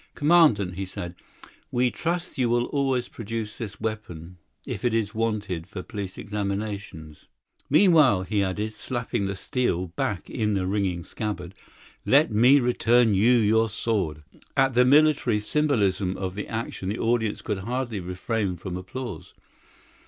"Commandant," he said, "we trust you will always produce this weapon if it is wanted for police examination. Meanwhile," he added, slapping the steel back in the ringing scabbard, "let me return you your sword." At the military symbolism of the action the audience could hardly refrain from applause.